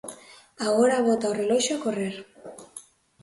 Agora bota o reloxo a correr.